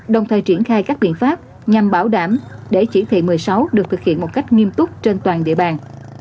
đồng thời triển khai các biện pháp nhằm bảo đảm để chỉ thị một mươi sáu được thực hiện một cách nghiêm túc trên toàn địa bàn